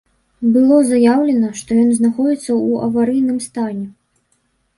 Было заяўлена, што ён знаходзіцца ў аварыйным стане.